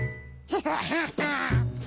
ヘハハハ。